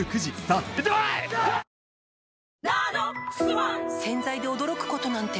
わかるぞ洗剤で驚くことなんて